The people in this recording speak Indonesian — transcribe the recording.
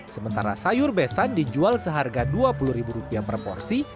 sementara sayur besan dijual seharga dua puluh ribu rupiah per porsi